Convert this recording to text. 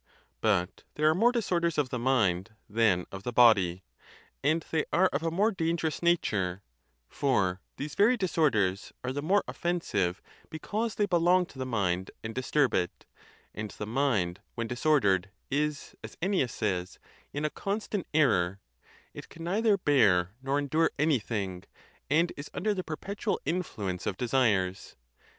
But there are more disorders of the mind than of the body, and they are of a more dangerous nature; for these very disorders are the more offensive because they belong to the mind and disturb it; and the mind, when disordered, is, as Ennius says, in a constant error: it can neither bear nor endure anything, and is under the per petual influence of desires.